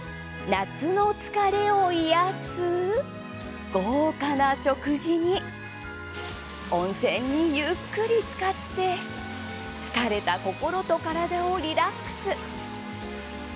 夏の疲れを癒やす豪華な食事に温泉にゆっくりつかって疲れた心と体をリラックス。